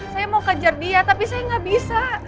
saya mau kejar dia tapi saya nggak bisa